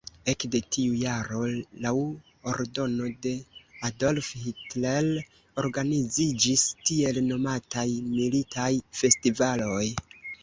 Ekde tiu jaro laŭ ordono de Adolf Hitler organiziĝis tiel nomataj "militaj festivaloj".